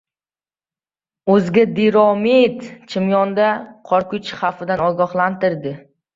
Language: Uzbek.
“O‘zgidromet” Chimyonda qor ko‘chish xavfidan ogohlantirdi